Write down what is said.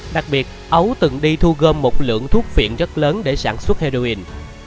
đặc biệt ấu từng đi thu gom một lượng thuốc phiện rất lớn để sản xuất heroin